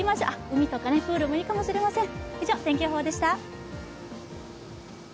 海とかプールもいいかもしれません。